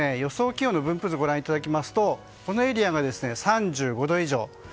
気温の分布図ご覧いただきますとこのエリアが３５度以上。